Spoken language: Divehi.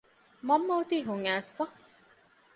މަންމަ އޮތީ ހުން އައިސްފަ